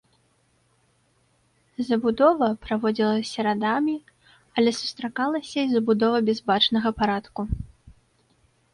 Забудова праводзілася радамі, але сустракалася і забудова без бачнага парадку.